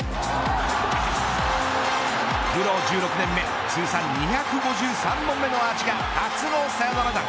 プロ１６年目通算２５３本目のアーチが初のサヨナラ弾。